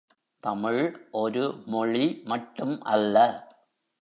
தமிழ் ஒரு மொழி மட்டும் அல்ல.